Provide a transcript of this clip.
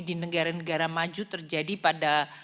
di negara negara maju terjadi pada